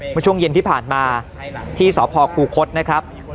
เมื่อช่วงเย็นที่ผ่านมาที่สพคูคศนะครับ